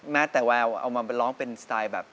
แม้แต่แววเอามาร้องเป็นสไตล์แบบ